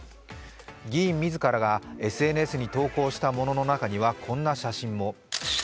議員自らがＳＮＳに投稿したものの中にはこんな写真も。